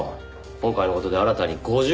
今回の事で新たに５０台。